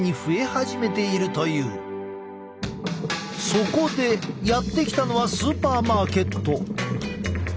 そこでやって来たのはスーパーマーケット。